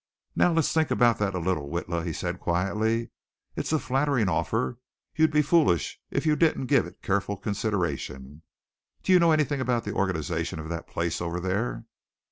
"Now, let's think about that a little, Witla," he said quietly. "It's a flattering offer. You'd be foolish if you didn't give it careful consideration. Do you know anything about the organization of that place over there?"